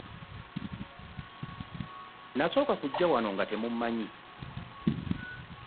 Nasooka kujja wano nga temummanyi.